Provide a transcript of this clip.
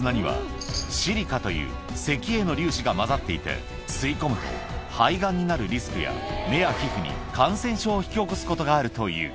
実はこの地域の砂には、シリカという石英の粒子が混ざっていて、吸い込むと肺がんになるリスクや、目や皮膚に感染症を引き起こすことがあるという。